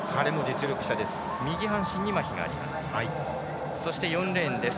右半身にまひがあります。